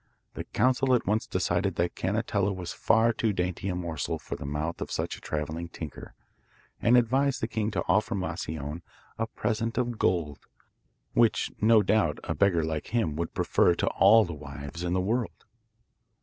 The council at once decided that Canetella was far too dainty a morsel for the mouth of such a travelling tinker, and advised the king to offer Moscione a present of gold, which no doubt a beggar like him would prefer to all the wives in the world.